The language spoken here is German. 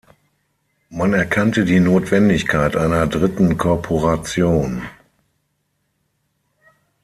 Man erkannte die Notwendigkeit einer dritten Korporation.